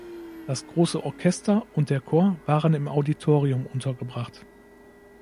Das große Orchester und der Chor waren im Auditorium untergebracht.